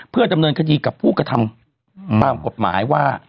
เพื่อดำเนินคดีกับผู้กระทำตามกฎหมายว่า